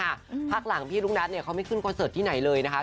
พักหลังพี่ลูกนัทเนี่ยเขาไม่ขึ้นคอนเสิร์ตที่ไหนเลยนะคะ